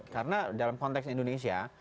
karena dalam konteks indonesia